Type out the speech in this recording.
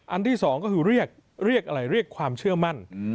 ที่สองก็คือเรียกเรียกอะไรเรียกความเชื่อมั่น